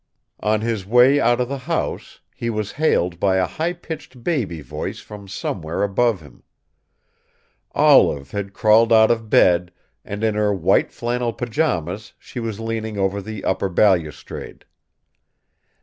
On his way out of the house he was hailed by a highpitched baby voice from somewhere above him. Olive had crawled out of bed, and in her white flannel pajamas she was leaning over the upper balustrade.